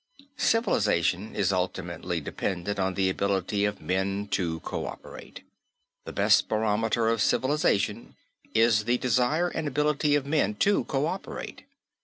Civilization is ultimately dependent on the ability of men to coöperate. The best barometer of civilization is the desire and ability of men to coöperate.